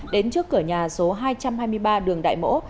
đến trước cửa nhà số hai trăm hai mươi ba đường đại mỗ